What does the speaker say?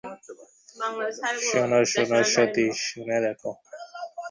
শোনো শোনো সতীশ, শুনে রাখো।